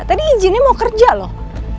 tadi izinnya mau kerja loh